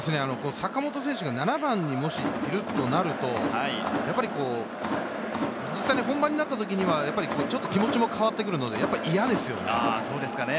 坂本選手が７番にいるとなると、本番になったときには、ちょっと気持ちも変わってくるので嫌ですよ。